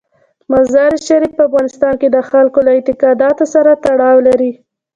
مزارشریف په افغانستان کې د خلکو له اعتقاداتو سره تړاو لري.